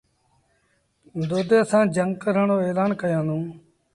دودي سآݩ جھنگ ڪرڻ رو ايلآن ڪيآݩدوݩ ۔